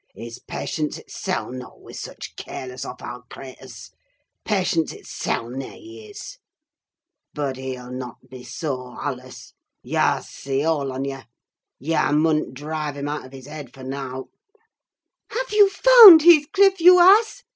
He's patience itsseln wi' sich careless, offald craters—patience itsseln he is! Bud he'll not be soa allus—yah's see, all on ye! Yah mun'n't drive him out of his heead for nowt!" "Have you found Heathcliff, you ass?"